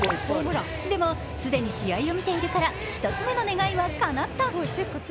でも、既に試合を見ているから１つ目の願いはかなった。